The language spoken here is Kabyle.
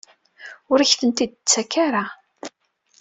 Ur ak-tent-id-tettak ara?